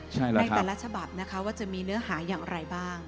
ใช่แล้วในแต่ละฉบับนะคะว่าจะมีเนื้อหาอย่างไรบ้าง